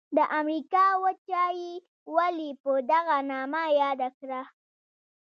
د امریکا وچه یې ولي په دغه نامه یاده کړه؟